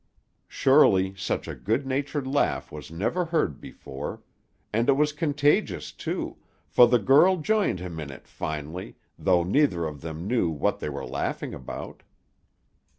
Surely such a good natured laugh was never heard before; and it was contagious, too, for the girl joined him in it, finally, though neither of them knew what they were laughing about.